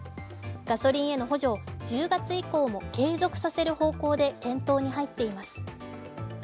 ガソリンへの補助を１０月以降も継続させる方向で検討に入っています。